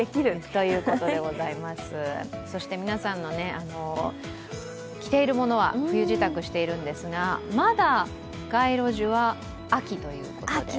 そして皆さんの着ているものは冬支度しているんですがまだ街路樹は秋ということで。